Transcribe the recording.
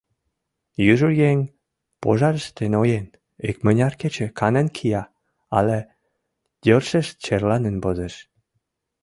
Южо еҥ, пожарыште ноен, икмыняр кече канен кия але йӧршеш черланен возеш.